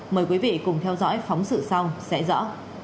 mời quý vị cùng theo dõi phóng sự sau sẽ rõ